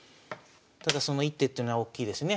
ただその一手というのは大きいですね。